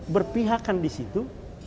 berpihakan di situ